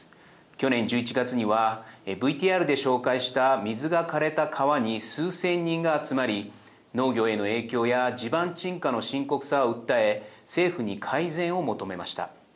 去年１１月にはＶＴＲで紹介した水が枯れた川に数千人が集まり農業への影響や地盤沈下の深刻さを訴え政府に改善を求めました。